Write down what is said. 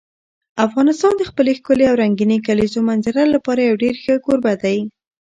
افغانستان د خپلې ښکلې او رنګینې کلیزو منظره لپاره یو ډېر ښه کوربه دی.